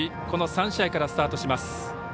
この３試合からスタートします。